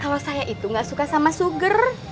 kalau saya itu gak suka sama suger